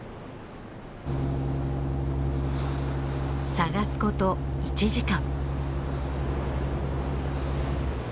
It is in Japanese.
探すこと１時間。